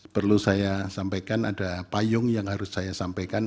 perlu saya sampaikan ada payung yang harus saya sampaikan